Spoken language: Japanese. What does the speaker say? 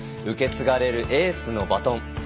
受け継がれるエースのバトン。